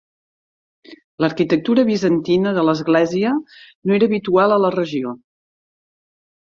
L'arquitectura bizantina de l'església no era habitual a la regió.